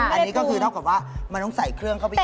อันนี้ก็คือเท่ากับว่ามันต้องใส่เครื่องเข้าไปอีก